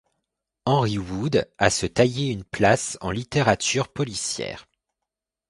Henry Wood, à se tailler une place en littérature policière.